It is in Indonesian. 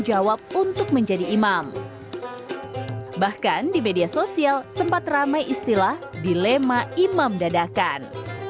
jawab untuk menjadi imam bahkan di media sosial sempat ramai istilah dilema imam dadakan